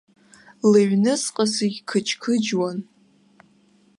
Лыҩныҵҟа зегьы қыџьқыџьуан.